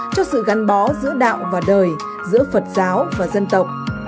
cho sự gắn bó giữa đạo và đời giữa phật giáo và dân tộc